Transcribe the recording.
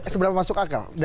sebelah masuk akal